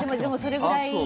それぐらい？